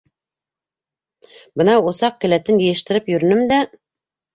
Бынау усаҡ келәтен йыйыштырып йөрөнөм дә.